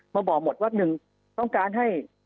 มาบอกหมดว่า๑ต้องการให้